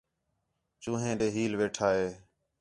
چوہین ݙے ہیل ویٹھا ہِے